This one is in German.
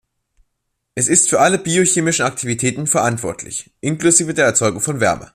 Es ist für alle biochemischen Aktivitäten verantwortlich, inklusive der Erzeugung von Wärme.